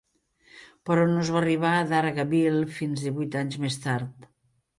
Però no es va arribar a Dargaville fins divuit anys més tard.